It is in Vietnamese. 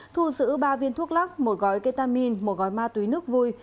thu giữ ba viên thuốc lắc một gói ketamin một gói ma túy nước vui